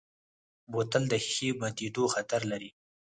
بوتل د ښیښې ماتیدو خطر لري.